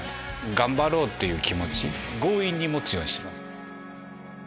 頑張ろうっていう気持ち強引に持つようにしてます。